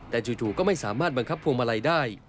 แต่จู่ก็ไม่สามารถบังคับพวงมาลัยได้